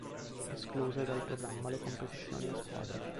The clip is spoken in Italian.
Escluse dal programma le competizioni a squadre.